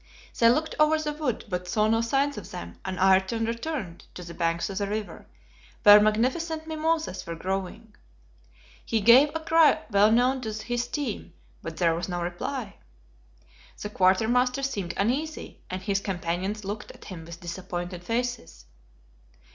They looked over the wood, but saw no signs of them, and Ayrton returned to the banks of the river, where magnificent mimosas were growing. He gave a cry well known to his team, but there was no reply. The quartermaster seemed uneasy, and his companions looked at him with disappointed faces.